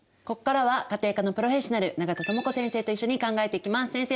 ここからは家庭科のプロフェッショナル永田智子先生と一緒に考えていきます。